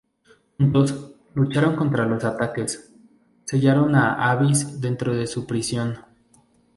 Juntos, lucharon contra los ataques, sellaron a Abyss dentro de su prisión.